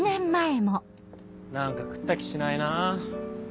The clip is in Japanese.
何か食った気しないなぁ。